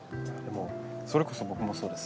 それこそ僕もそうです。